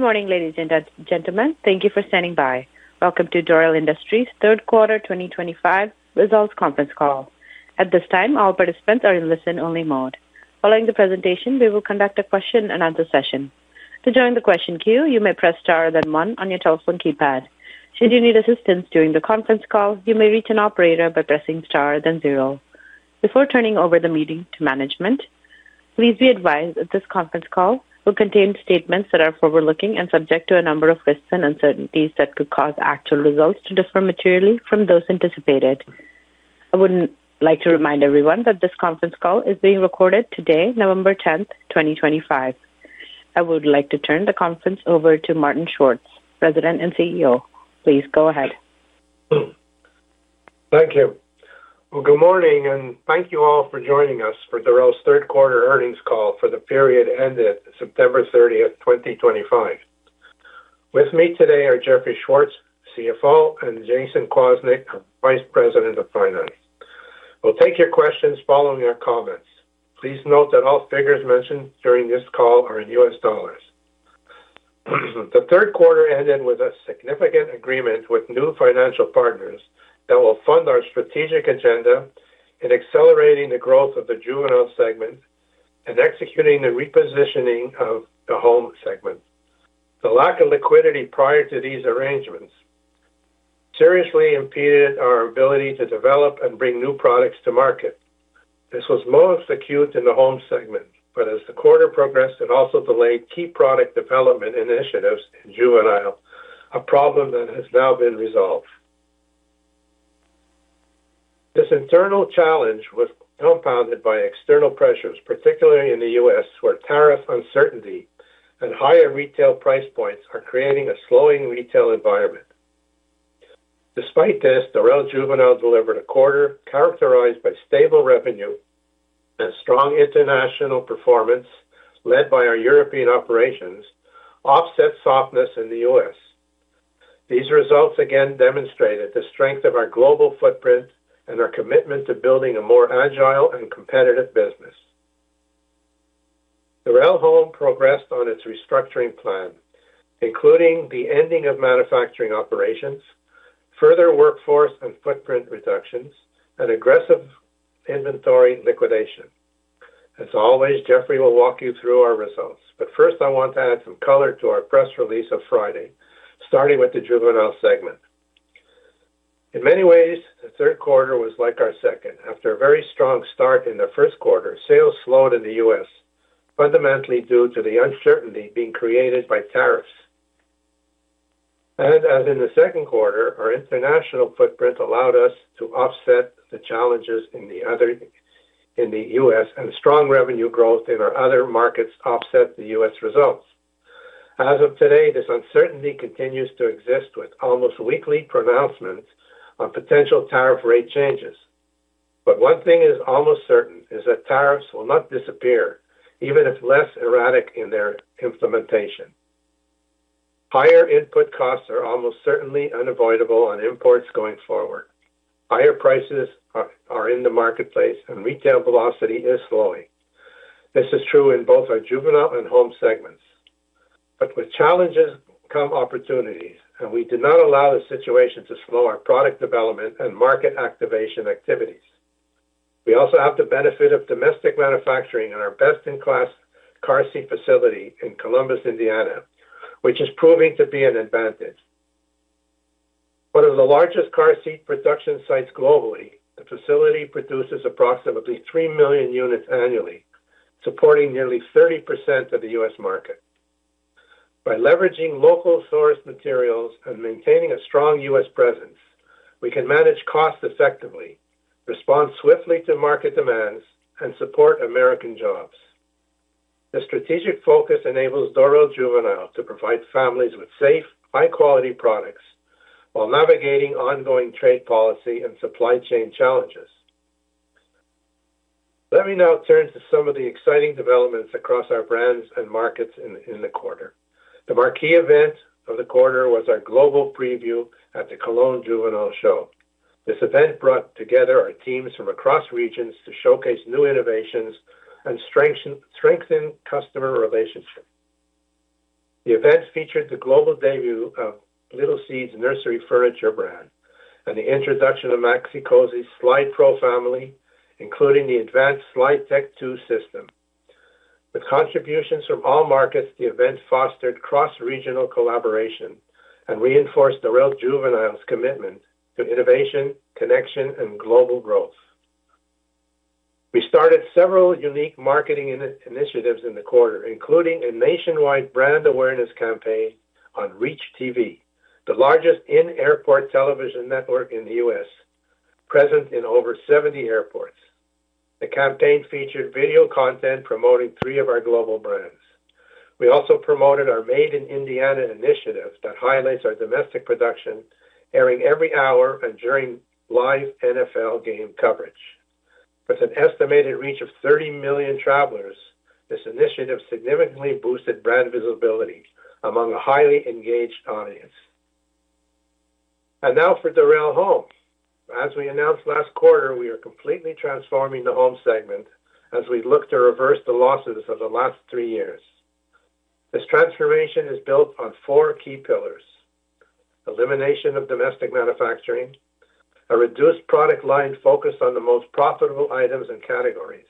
Good morning, ladies and gentlemen. Thank you for standing by. Welcome to Dorel Industries' Third Quarter 2025 Results Conference Call. At this time, all participants are in listen-only mode. Following the presentation, we will conduct a question-and-answer session. To join the question queue, you may press star then one on your telephone keypad. Should you need assistance during the conference call, you may reach an operator by pressing star then zero. Before turning over the meeting to management, please be advised that this conference call will contain statements that are forward-looking and subject to a number of risks and uncertainties that could cause actual results to differ materially from those anticipated. I would like to remind everyone that this conference call is being recorded today, November 10th, 2025. I would like to turn the conference over to Martin Schwartz, President and CEO. Please go ahead. Thank you. Good morning, and thank you all for joining us for Dorel's Third Quarter Earnings Call for the period ended September 30, 2025. With me today are Jeffrey Schwartz, CFO, and Jayson Kwasnik, Vice President of Finance. We'll take your questions following our comments. Please note that all figures mentioned during this call are in U.S. dollars. The third quarter ended with a significant agreement with new financial partners that will fund our strategic agenda in accelerating the growth of the Juvenile segment and executing the repositioning of the Home segment. The lack of liquidity prior to these arrangements seriously impeded our ability to develop and bring new products to market. This was most acute in the Home segment, but as the quarter progressed, it also delayed key product development initiatives in Juvenile, a problem that has now been resolved. This internal challenge was compounded by external pressures, particularly in the U.S., where tariff uncertainty and higher retail price points are creating a slowing retail environment. Despite this, Dorel Juvenile delivered a quarter characterized by stable revenue and strong international performance led by our European operations, offsetting softness in the U.S. These results again demonstrated the strength of our global footprint and our commitment to building a more agile and competitive business. Dorel Home progressed on its restructuring plan, including the ending of manufacturing operations, further workforce and footprint reductions, and aggressive inventory liquidation. As always, Jeffrey will walk you through our results, but first, I want to add some color to our press release of Friday, starting with the Juvenile segment. In many ways, the third quarter was like our second. After a very strong start in the first quarter, sales slowed in the U.S., fundamentally due to the uncertainty being created by tariffs. As in the second quarter, our international footprint allowed us to offset the challenges in the U.S., and strong revenue growth in our other markets offset the U.S. results. As of today, this uncertainty continues to exist with almost weekly pronouncements on potential tariff rate changes. One thing is almost certain: tariffs will not disappear, even if less erratic in their implementation. Higher input costs are almost certainly unavoidable on imports going forward. Higher prices are in the marketplace, and retail velocity is slowing. This is true in both our Juvenile and Home segments. With challenges come opportunities, and we do not allow the situation to slow our product development and market activation activities. We also have the benefit of domestic manufacturing in our best-in-class car seat facility in Columbus, Indiana, which is proving to be an advantage. One of the largest car seat production sites globally, the facility produces approximately 3 million units annually, supporting nearly 30% of the U.S. market. By leveraging local source materials and maintaining a strong U.S. presence, we can manage costs effectively, respond swiftly to market demands, and support American jobs. The strategic focus enables Dorel Juvenile to provide families with safe, high-quality products while navigating ongoing trade policy and supply chain challenges. Let me now turn to some of the exciting developments across our brands and markets in the quarter. The marquee event of the quarter was our global preview at the Cologne Juvenile Show. This event brought together our teams from across regions to showcase new innovations and strengthen customer relationships. The event featured the global debut of Little Seeds Nursery Furniture brand and the introduction of Maxi-Cosi's SlidePro family, including the advanced SlideTech 2 system. With contributions from all markets, the event fostered cross-regional collaboration and reinforced Dorel Juvenile's commitment to innovation, connection, and global growth. We started several unique marketing initiatives in the quarter, including a nationwide brand awareness campaign on ReachTV, the largest in-airport television network in the U.S., present in over 70 airports. The campaign featured video content promoting three of our global brands. We also promoted our Made in Indiana initiative that highlights our domestic production, airing every hour and during live NFL game coverage. With an estimated reach of 30 million travelers, this initiative significantly boosted brand visibility among a highly engaged audience. Now for Dorel Home. As we announced last quarter, we are completely transforming the Home segment as we look to reverse the losses of the last three years. This transformation is built on four key pillars: elimination of domestic manufacturing, a reduced product line focus on the most profitable items and categories,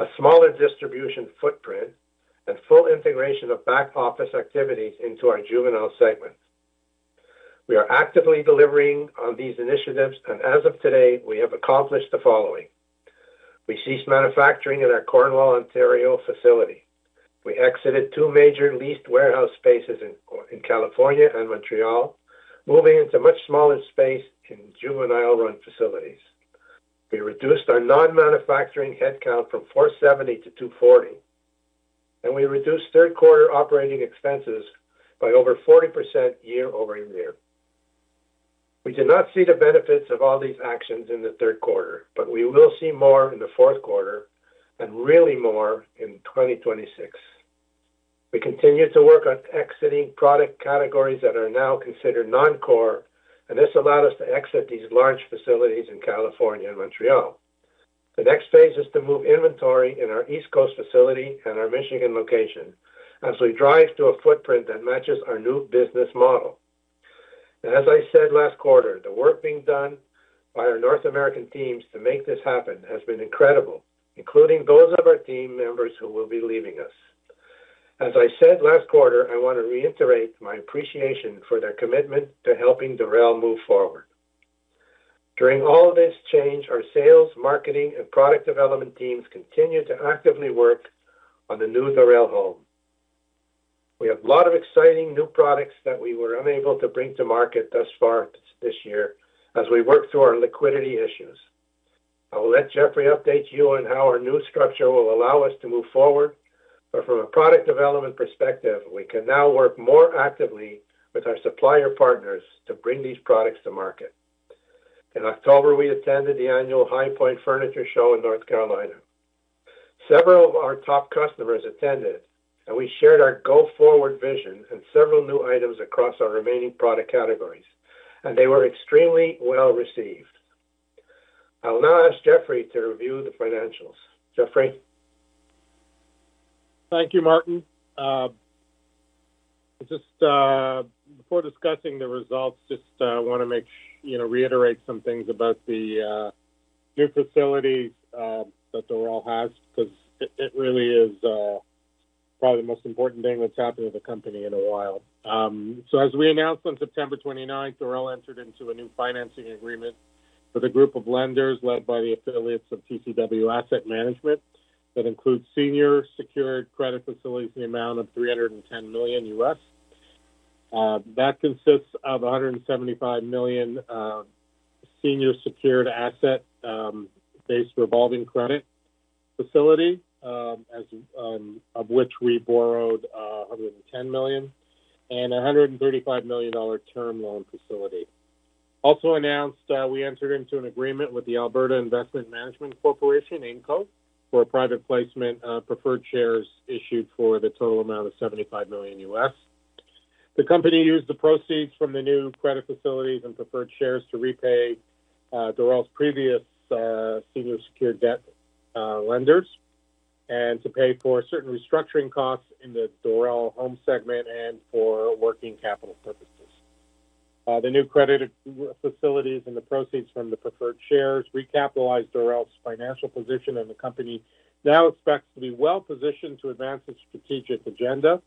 a smaller distribution footprint, and full integration of back office activities into our Juvenile segment. We are actively delivering on these initiatives, and as of today, we have accomplished the following: we ceased manufacturing at our Cornwall, Ontario facility. We exited two major leased warehouse spaces in California and Montreal, moving into much smaller space in Juvenile-run facilities. We reduced our non-manufacturing headcount from 470 to 240, and we reduced third-quarter operating expenses by over 40% year over year. We did not see the benefits of all these actions in the third quarter, but we will see more in the fourth quarter and really more in 2026. We continue to work on exiting product categories that are now considered non-core, and this allowed us to exit these large facilities in California and Montreal. The next phase is to move inventory in our East Coast facility and our Michigan location as we drive to a footprint that matches our new business model. As I said last quarter, the work being done by our North American teams to make this happen has been incredible, including those of our team members who will be leaving us. As I said last quarter, I want to reiterate my appreciation for their commitment to helping Dorel move forward. During all this change, our sales, marketing, and product development teams continue to actively work on the new Dorel Home. We have a lot of exciting new products that we were unable to bring to market thus far this year as we work through our liquidity issues. I will let Jeffrey update you on how our new structure will allow us to move forward, but from a product development perspective, we can now work more actively with our supplier partners to bring these products to market. In October, we attended the annual High Point Furniture Show in North Carolina. Several of our top customers attended, and we shared our go-forward vision and several new items across our remaining product categories, and they were extremely well received. I will now ask Jeffrey to review the financials. Jeffrey? Thank you, Martin. Just before discussing the results, just want to reiterate some things about the new facilities that Dorel has because it really is probably the most important thing that's happened at the company in a while. As we announced on September 29, Dorel entered into a new financing agreement with a group of lenders led by the affiliates of TCW Asset Management that includes senior secured credit facilities in the amount of $310 million. That consists of a $175 million senior secured asset-based revolving credit facility, of which we borrowed $110 million, and a $135 million term loan facility. Also announced, we entered into an agreement with the Alberta Investment Management Corporation for a private placement of preferred shares issued for the total amount of $75 million. The company used the proceeds from the new credit facilities and preferred shares to repay Dorel's previous senior secured debt lenders and to pay for certain restructuring costs in the Dorel Home segment and for working capital purposes. The new credit facilities and the proceeds from the preferred shares recapitalized Dorel's financial position, and the company now expects to be well positioned to advance its strategic agenda,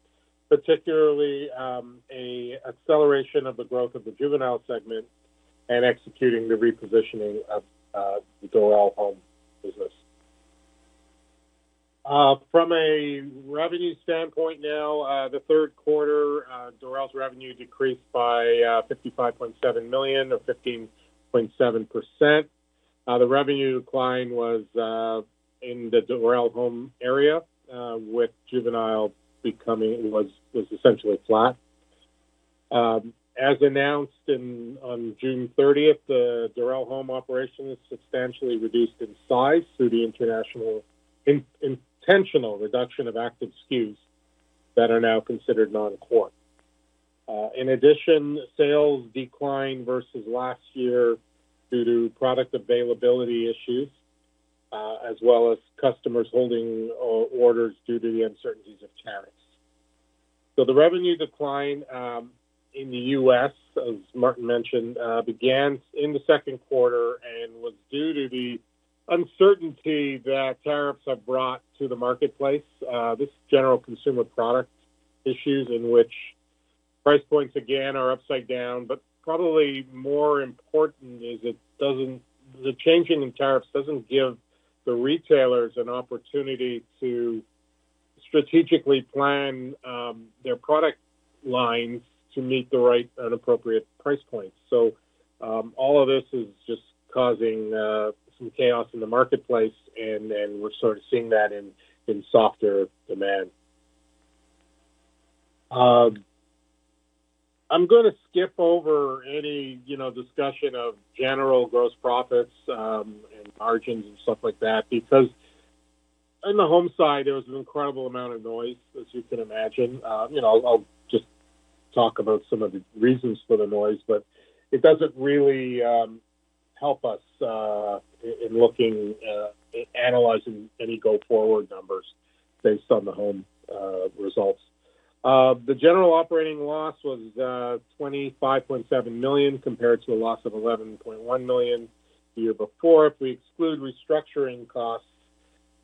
particularly an acceleration of the growth of the Juvenile segment and executing the repositioning of the Dorel Home business. From a revenue standpoint now, the third quarter, Dorel's revenue decreased by $55.7 million, or 15.7%. The revenue decline was in the Dorel Home area, with Juvenile becoming essentially flat. As announced on June 30th, the Dorel Home operation is substantially reduced in size through the intentional reduction of active SKUs that are now considered non-core. In addition, sales decline versus last year due to product availability issues, as well as customers holding orders due to the uncertainties of tariffs. The revenue decline in the U.S., as Martin mentioned, began in the second quarter and was due to the uncertainty that tariffs have brought to the marketplace. This is general consumer product issues in which price points again are upside down, but probably more important is the changing in tariffs does not give the retailers an opportunity to strategically plan their product lines to meet the right and appropriate price points. All of this is just causing some chaos in the marketplace, and we're sort of seeing that in softer demand. I'm going to skip over any discussion of general gross profits and margins and stuff like that because on the Home side, there was an incredible amount of noise, as you can imagine. I'll just talk about some of the reasons for the noise, but it doesn't really help us in analyzing any go-forward numbers based on the Home results. The general operating loss was $25.7 million compared to a loss of $11.1 million the year before. If we exclude restructuring costs,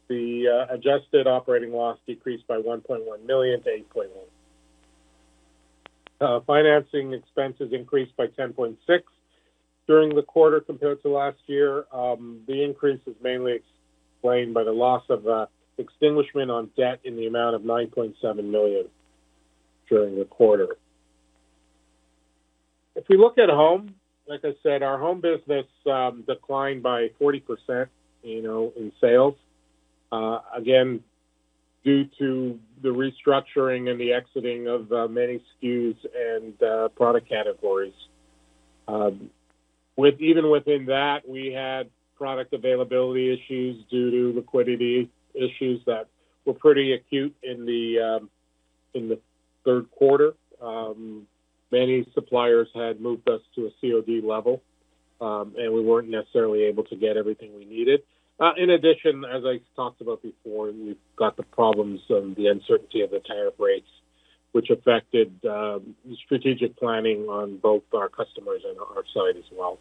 the adjusted operating loss decreased by $1.1 million to $8.1 million. Financing expenses increased by $10.6 million during the quarter compared to last year. The increase is mainly explained by the loss of extinguishment on debt in the amount of $9.7 million during the quarter. If we look at Home, like I said, our Home business declined by 40% in sales, again, due to the restructuring and the exiting of many SKUs and product categories. Even within that, we had product availability issues due to liquidity issues that were pretty acute in the third quarter. Many suppliers had moved us to a COD level, and we were not necessarily able to get everything we needed. In addition, as I talked about before, we have got the problems of the uncertainty of the tariff rates, which affected the strategic planning on both our customers and our side as well.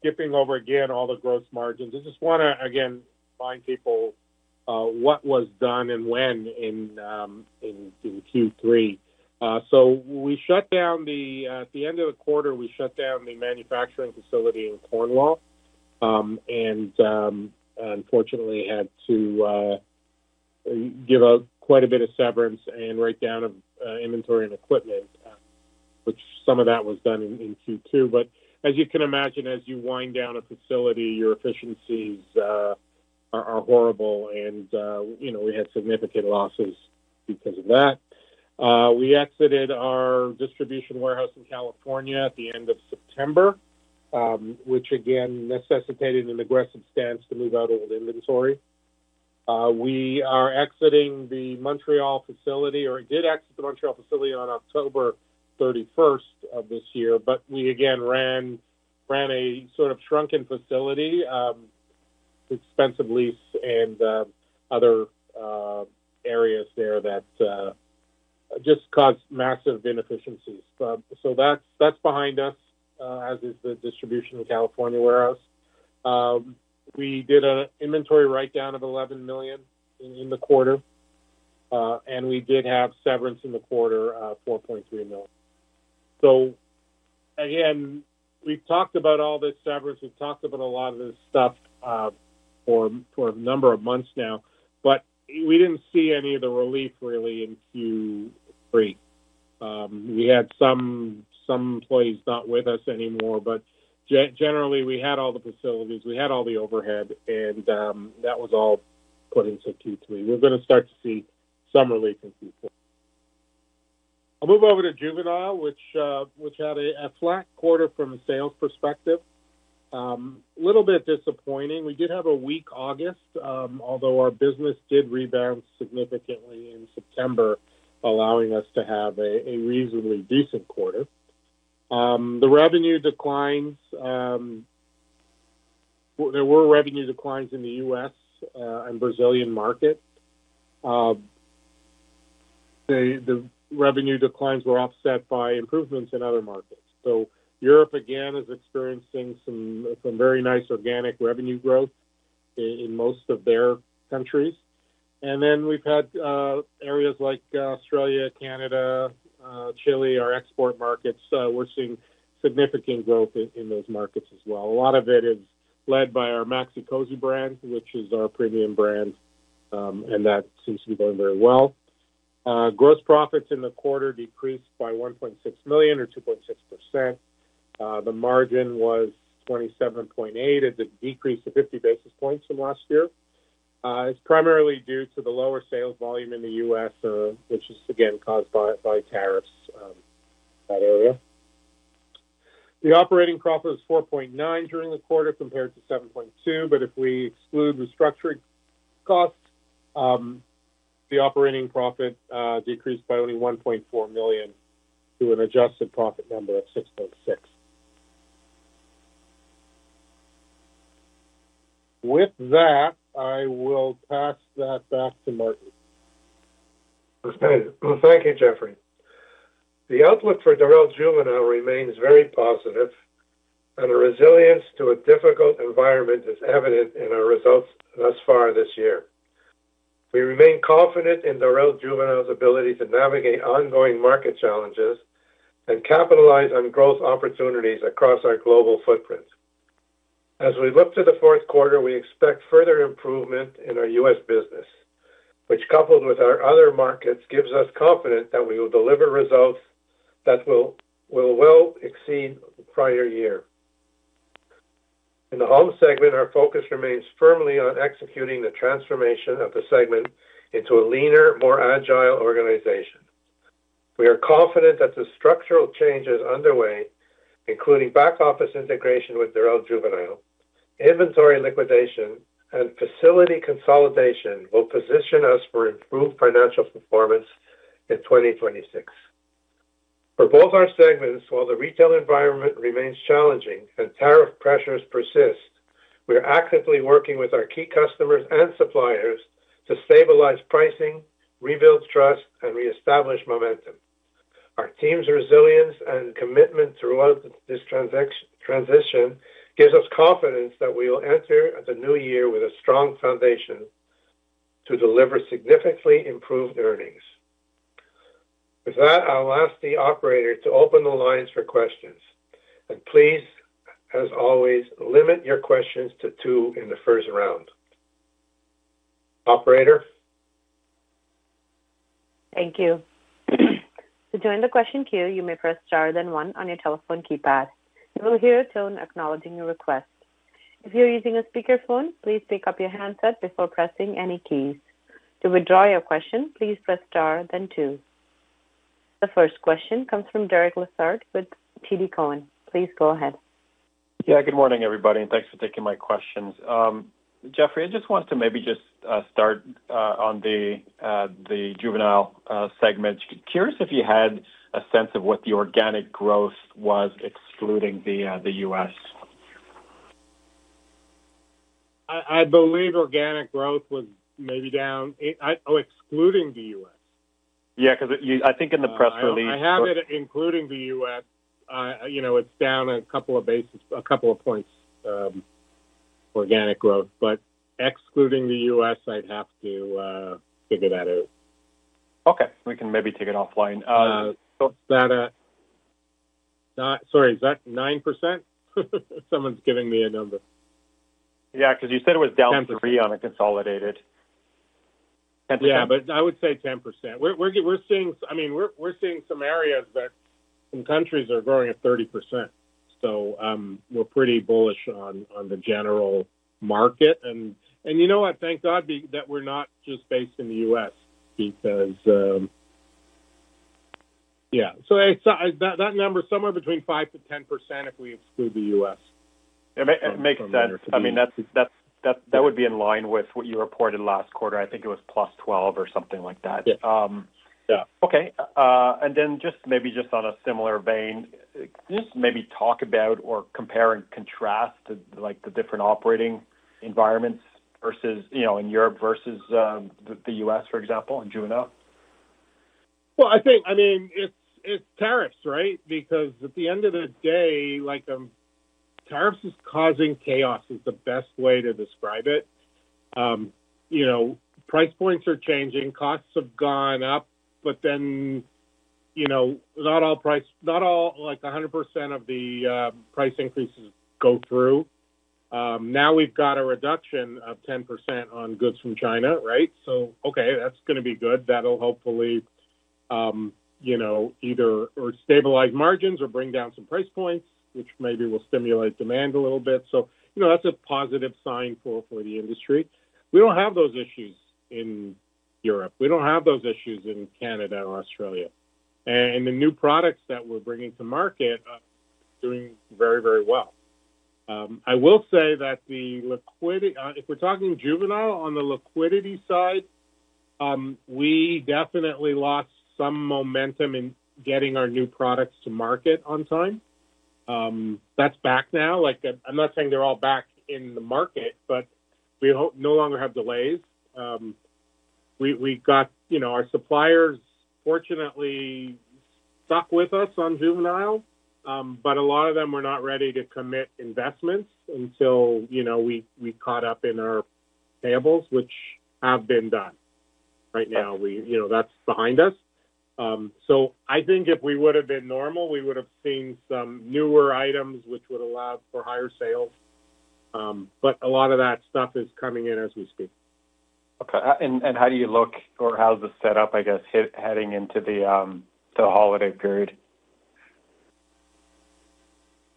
Skipping over again all the gross margins, I just want to, again, remind people what was done and when in Q3. At the end of the quarter, we shut down the manufacturing facility in Cornwall and unfortunately had to give up quite a bit of severance and write down inventory and equipment, which some of that was done in Q2. As you can imagine, as you wind down a facility, your efficiencies are horrible, and we had significant losses because of that. We exited our distribution warehouse in California at the end of September, which again necessitated an aggressive stance to move out old inventory. We are exiting the Montreal facility, or did exit the Montreal facility on October 31 of this year, but we again ran a sort of shrunken facility, expensive lease, and other areas there that just caused massive inefficiencies. That is behind us, as is the distribution in California warehouse. We did an inventory write-down of $11 million in the quarter, and we did have severance in the quarter of $4.3 million. Again, we have talked about all this severance. We have talked about a lot of this stuff for a number of months now, but we did not see any of the relief really in Q3. We had some employees not with us anymore, but generally, we had all the facilities. We had all the overhead, and that was all put into Q3. We're going to start to see some relief in Q4. I'll move over to Juvenile, which had a flat quarter from a sales perspective. A little bit disappointing. We did have a weak August, although our business did rebound significantly in September, allowing us to have a reasonably decent quarter. The revenue declines. There were revenue declines in the U.S. and Brazilian market. The revenue declines were offset by improvements in other markets. Europe, again, is experiencing some very nice organic revenue growth in most of their countries. We have had areas like Australia, Canada, Chile, our export markets. We're seeing significant growth in those markets as well. A lot of it is led by our Maxi-Cosi brand, which is our premium brand, and that seems to be going very well. Gross profits in the quarter decreased by $1.6 million, or 2.6%. The margin was 27.8%, as it decreased 50 basis points from last year. It is primarily due to the lower sales volume in the U.S., which is again caused by tariffs in that area. The operating profit was $4.9 million during the quarter compared to $7.2 million, but if we exclude restructuring costs, the operating profit decreased by only $1.4 million to an adjusted profit number of $6.6 million. With that, I will pass that back to Martin. Thank you, Jeffrey. The outlook for Dorel Juvenile remains very positive, and the resilience to a difficult environment is evident in our results thus far this year. We remain confident in Dorel Juvenile's ability to navigate ongoing market challenges and capitalize on growth opportunities across our global footprint. As we look to the fourth quarter, we expect further improvement in our U.S. business, which, coupled with our other markets, gives us confidence that we will deliver results that will well exceed the prior year. In the Home segment, our focus remains firmly on executing the transformation of the segment into a leaner, more agile organization. We are confident that the structural change is underway, including back-office integration with Dorel Juvenile. Inventory liquidation and facility consolidation will position us for improved financial performance in 2026. For both our segments, while the retail environment remains challenging and tariff pressures persist, we are actively working with our key customers and suppliers to stabilize pricing, rebuild trust, and reestablish momentum. Our team's resilience and commitment throughout this transition gives us confidence that we will enter the new year with a strong foundation to deliver significantly improved earnings. With that, I'll ask the operator to open the lines for questions. Please, as always, limit your questions to two in the first round. Operator. Thank you. To join the question queue, you may press star then one on your telephone keypad. You will hear a tone acknowledging your request. If you're using a speakerphone, please pick up your handset before pressing any keys. To withdraw your question, please press star then two. The first question comes from Derek Lessard with TD Cowen. Please go ahead. Yeah, good morning, everybody, and thanks for taking my questions. Jeffrey, I just wanted to maybe just start on the Juvenile segment. Curious if you had a sense of what the organic growth was excluding the U.S. I believe organic growth was maybe down excluding the U.S. Yeah, because I think in the press release. I have it including the U.S. It's down a couple of basis points, a couple of points, organic growth. But excluding the U.S., I'd have to figure that out. Okay. We can maybe take it offline. Sorry, is that 9%? Someone's giving me a number. Yeah, because you said it was down 3 on a consolidated. Yeah, but I would say 10%. I mean, we're seeing some areas that some countries are growing at 30%. So we're pretty bullish on the general market. And you know what? Thank God that we're not just based in the U.S. because yeah. So that number, somewhere between 5-10% if we exclude the U.S. It makes sense. I mean, that would be in line with what you reported last quarter. I think it was +12 or something like that. Yeah. Okay. Maybe just on a similar vein, maybe talk about or compare and contrast the different operating environments in Europe versus the U.S., for example, in Juvenile. I mean, it's tariffs, right? Because at the end of the day, tariffs is causing chaos is the best way to describe it. Price points are changing. Costs have gone up, but then not all 100% of the price increases go through. Now we've got a reduction of 10% on goods from China, right? Okay, that's going to be good. That'll hopefully either stabilize margins or bring down some price points, which maybe will stimulate demand a little bit. That's a positive sign for the industry. We don't have those issues in Europe. We don't have those issues in Canada or Australia. The new products that we're bringing to market are doing very, very well. I will say that if we're talking Juvenile on the liquidity side, we definitely lost some momentum in getting our new products to market on time. That's back now. I'm not saying they're all back in the market, but we no longer have delays. We got our suppliers, fortunately, stuck with us on Juvenile, but a lot of them were not ready to commit investments until we caught up in our payables, which have been done. Right now, that's behind us. I think if we would have been normal, we would have seen some newer items, which would allow for higher sales. A lot of that stuff is coming in as we speak. Okay. How do you look or how's the setup, I guess, heading into the holiday period?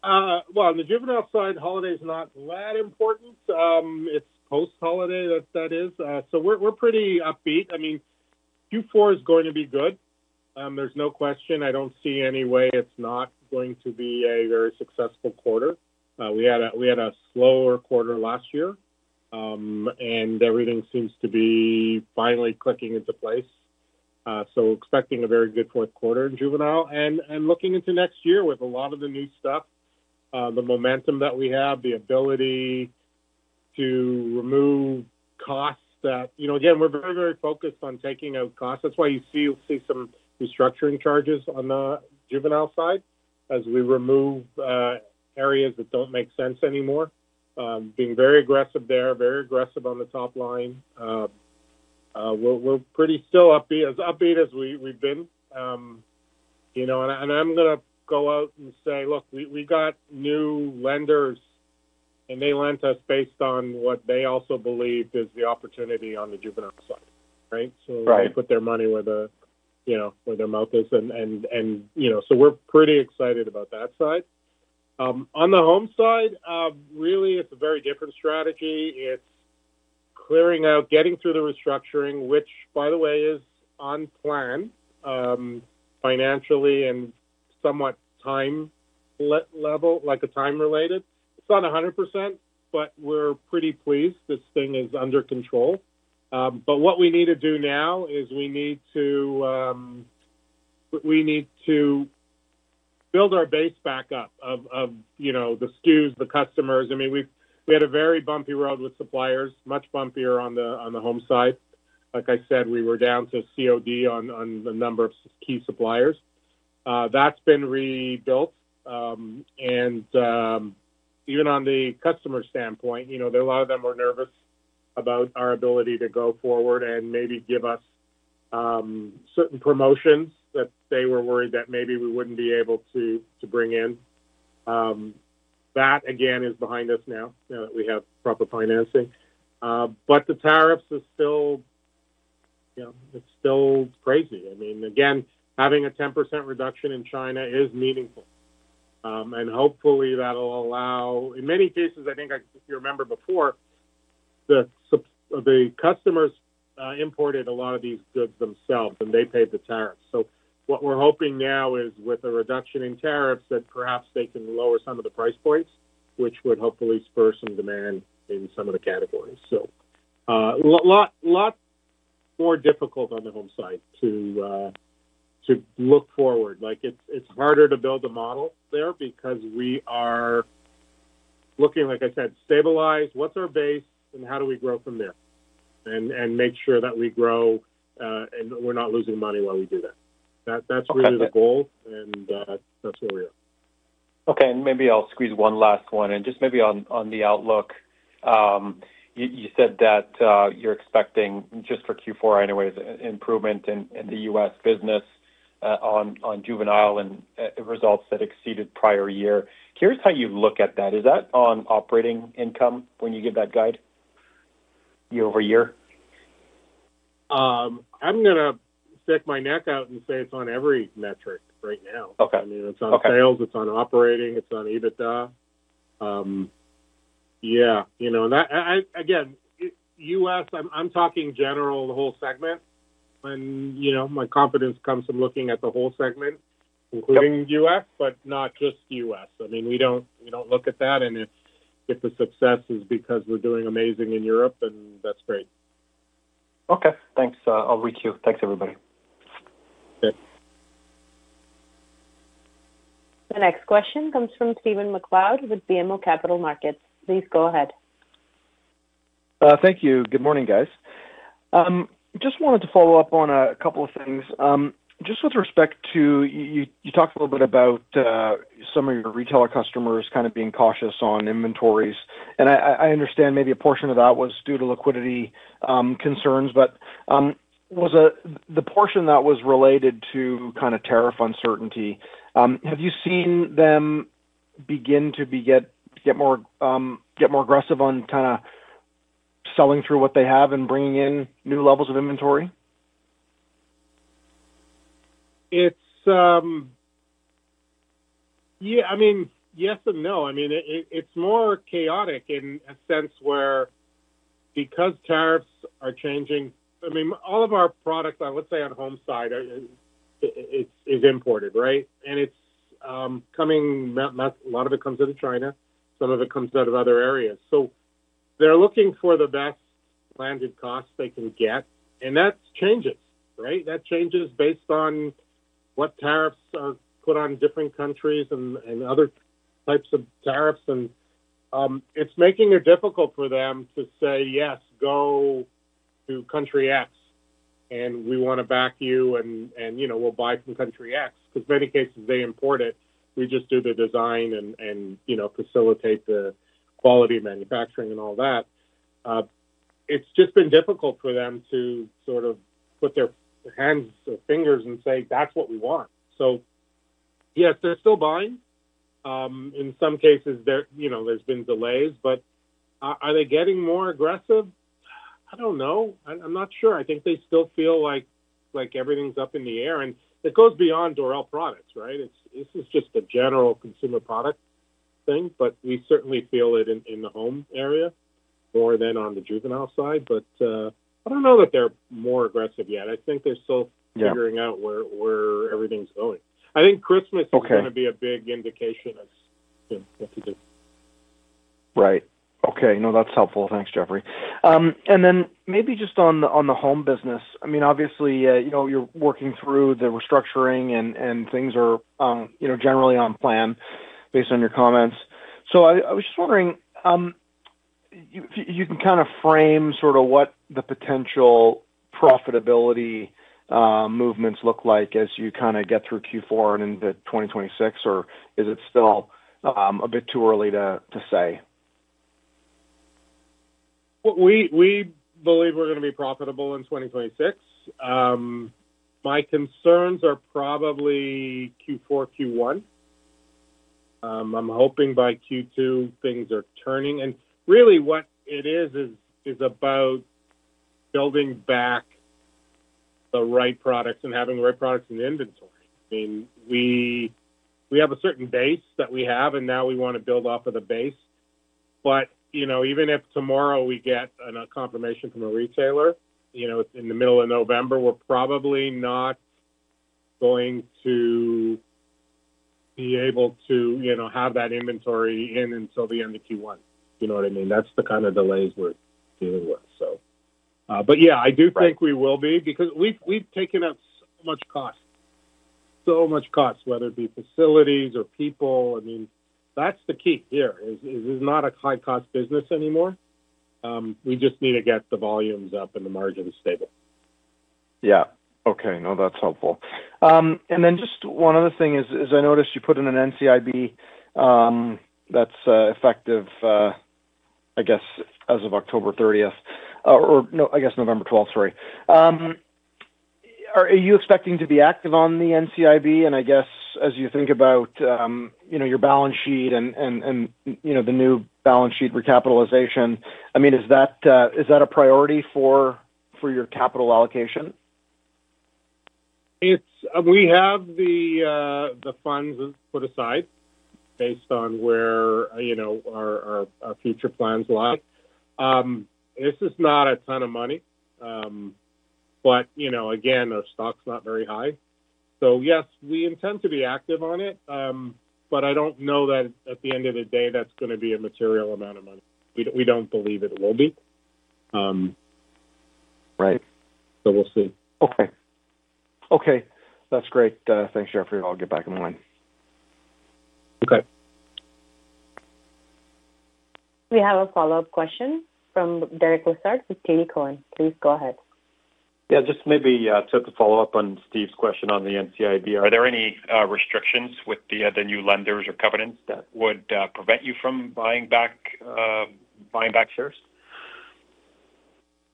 On the Juvenile side, holiday is not that important. It is post-holiday that is. We are pretty upbeat. I mean, Q4 is going to be good. There is no question. I do not see any way it is not going to be a very successful quarter. We had a slower quarter last year, and everything seems to be finally clicking into place. Expecting a very good fourth quarter in Juvenile and looking into next year with a lot of the new stuff, the momentum that we have, the ability to remove costs. Again, we are very, very focused on taking out costs. That is why you see some restructuring charges on the Juvenile side as we remove areas that do not make sense anymore. Being very aggressive there, very aggressive on the top line. We are pretty still upbeat as we have been. I'm going to go out and say, "Look, we got new lenders, and they lent us based on what they also believe is the opportunity on the Juvenile side," right? They put their money where their mouth is. We're pretty excited about that side. On the Home side, really, it's a very different strategy. It's clearing out, getting through the restructuring, which, by the way, is on plan financially and somewhat time level, like a time-related. It's not 100%, but we're pretty pleased. This thing is under control. What we need to do now is we need to build our base back up of the SKUs, the customers. I mean, we had a very bumpy road with suppliers, much bumpier on the Home side. Like I said, we were down to COD on a number of key suppliers. That's been rebuilt. Even on the customer standpoint, a lot of them were nervous about our ability to go forward and maybe give us certain promotions that they were worried that maybe we would not be able to bring in. That, again, is behind us now, now that we have proper financing. The tariffs are still, yeah, it is still crazy. I mean, again, having a 10% reduction in China is meaningful. Hopefully, that will allow in many cases, I think you remember before, the customers imported a lot of these goods themselves, and they paid the tariffs. What we are hoping now is with a reduction in tariffs that perhaps they can lower some of the price points, which would hopefully spur some demand in some of the categories. It is a lot more difficult on the Home side to look forward. It's harder to build a model there because we are looking, like I said, to stabilize what's our base and how do we grow from there and make sure that we grow and we're not losing money while we do that. That's really the goal, and that's where we are. Okay. Maybe I'll squeeze one last one. Just maybe on the outlook, you said that you're expecting just for Q4 anyways, improvement in the U.S. business on Juvenile and results that exceeded prior year. Curious how you look at that. Is that on operating income when you give that guide year over year? I'm going to stick my neck out and say it's on every metric right now. I mean, it's on sales, it's on operating, it's on EBITDA. Yeah. Again, U.S., I'm talking general whole segment. My confidence comes from looking at the whole segment, including U.S., but not just U.S. I mean, we don't look at that. If the success is because we're doing amazing in Europe, then that's great. Okay. Thanks. I'll reach you. Thanks, everybody. Okay. The next question comes from Stephen MacLeod with BMO Capital Markets. Please go ahead. Thank you. Good morning, guys. Just wanted to follow up on a couple of things. Just with respect to you talked a little bit about some of your retailer customers kind of being cautious on inventories. I understand maybe a portion of that was due to liquidity concerns, but the portion that was related to kind of tariff uncertainty, have you seen them begin to get more aggressive on kind of selling through what they have and bringing in new levels of inventory? Yeah. I mean, yes and no. I mean, it's more chaotic in a sense where because tariffs are changing, I mean, all of our products, let's say on Home side, is imported, right? And a lot of it comes out of China. Some of it comes out of other areas. They're looking for the best landed costs they can get. That changes, right? That changes based on what tariffs are put on different countries and other types of tariffs. It's making it difficult for them to say, "Yes, go to country X, and we want to back you, and we'll buy from country X." In many cases, they import it. We just do the design and facilitate the quality manufacturing and all that. It's just been difficult for them to sort of put their hands or fingers and say, "That's what we want." Yes, they're still buying. In some cases, there's been delays. Are they getting more aggressive? I don't know. I'm not sure. I think they still feel like everything's up in the air. It goes beyond Dorel products, right? This is just a general consumer product thing, but we certainly feel it in the Home area more than on the Juvenile side. I don't know that they're more aggressive yet. I think they're still figuring out where everything's going. I think Christmas is going to be a big indication of what to do. Right. Okay. No, that's helpful. Thanks, Jeffrey. Maybe just on the Home business, I mean, obviously, you're working through the restructuring, and things are generally on plan based on your comments. I was just wondering if you can kind of frame sort of what the potential profitability movements look like as you kind of get through Q4 and into 2026, or is it still a bit too early to say? We believe we're going to be profitable in 2026. My concerns are probably Q4, Q1. I'm hoping by Q2, things are turning. And really, what it is, is about building back the right products and having the right products in the inventory. I mean, we have a certain base that we have, and now we want to build off of the base. Even if tomorrow we get a confirmation from a retailer in the middle of November, we're probably not going to be able to have that inventory in until the end of Q1. You know what I mean? That's the kind of delays we're dealing with. Yeah, I do think we will be because we've taken up so much cost, so much cost, whether it be facilities or people. I mean, that's the key here. This is not a high-cost business anymore. We just need to get the volumes up and the margins stable. Yeah. Okay. No, that's helpful. And then just one other thing is I noticed you put in an NCIB that's effective, I guess, as of October 30 or no, I guess November 12, sorry. Are you expecting to be active on the NCIB? And I guess as you think about your balance sheet and the new balance sheet recapitalization, I mean, is that a priority for your capital allocation? We have the funds put aside based on where our future plans lie. This is not a ton of money. Our stock's not very high. Yes, we intend to be active on it, but I don't know that at the end of the day, that's going to be a material amount of money. We don't believe it will be. We'll see. Okay. Okay. That's great. Thanks, Jeffrey. I'll get back in line. Okay. We have a follow-up question from Derek Lessard with TD Cowen. Please go ahead. Yeah. Just maybe to follow up on Steve's question on the NCIB, are there any restrictions with the new lenders or covenants that would prevent you from buying back shares?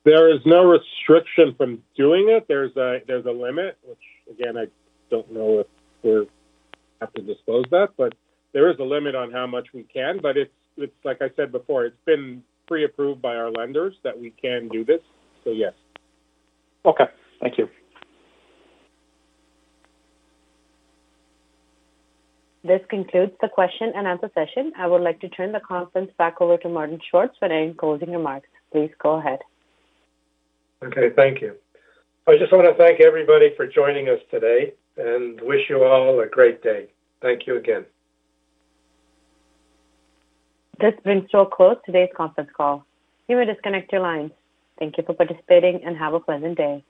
There is no restriction from doing it. There's a limit, which again, I don't know if we have to disclose that, but there is a limit on how much we can. Like I said before, it's been pre-approved by our lenders that we can do this. Yes. Okay. Thank you. This concludes the question and answer session. I would like to turn the conference back over to Martin Schwartz for any closing remarks. Please go ahead. Okay. Thank you. I just want to thank everybody for joining us today and wish you all a great day. Thank you again. This brings to a close today's conference call. You may disconnect your lines. Thank you for participating and have a pleasant day.